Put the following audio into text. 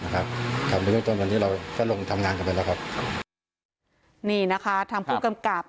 ครับต้นเวลาตอนนี้เราจะลงทำงานกันไปแล้วครับนี่นะคะทางผู้กำกับ